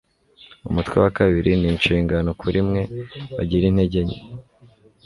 umutwe wa kabiri ni inshingano kuri mwe bagira intege nke